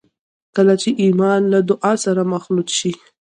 کله چې ایمان له دعا سره مخلوط شي